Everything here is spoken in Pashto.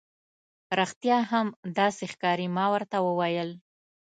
رښتیا هم، داسې ښکاري. ما ورته وویل.